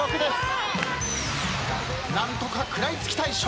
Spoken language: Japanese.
何とか食らいつきたい笑